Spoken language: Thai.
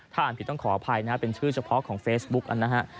ถ้าอ่านผิดต้องขออภัยนะเป็นชื่อเฉพาะของเฟซบุ๊กนะฮะ